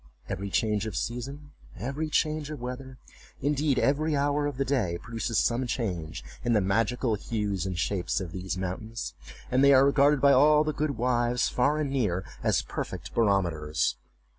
Every change of season, every change of weather, indeed, every hour of the day, produces some change in the magical hues and shapes of these mountains, and they are regarded by all the good wives, far and near, as perfect barometers.